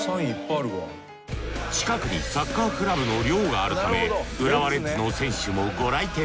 近くにサッカークラブの寮があるため浦和レッズの選手もご来店。